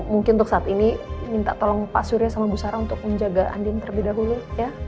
mungkin untuk saat ini minta tolong pak surya sama bu sara untuk menjaga andin terlebih dahulu ya